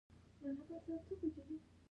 هر شی د پلورلو لپاره باید په رښتیا موجود وي